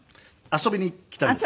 遊びに来たりです。